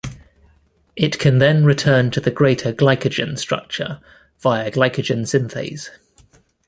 It can then return to the greater glycogen structure via glycogen synthase.